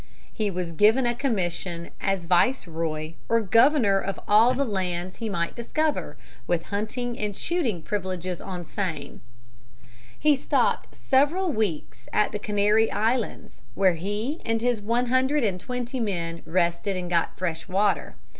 He was given a commission as viceroy or governor of all the lands he might discover, with hunting and shooting privileges on same. [Illustration: COLUMBUS'S STEAMER CHAIR.] He stopped several weeks at the Canary Islands, where he and his one hundred and twenty men rested and got fresh water.